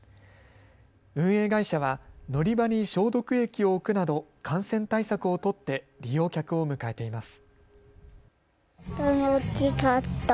運営会社は乗り場に消毒液を置くなど感染対策を取って利用客を迎えています。